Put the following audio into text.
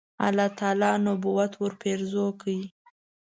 الله تعالی نبوت ورپېرزو کړ.